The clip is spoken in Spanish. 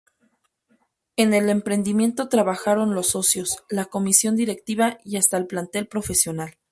En el emprendimiento trabajaron los socios, la Comisión Directiva y hasta el plantel profesional.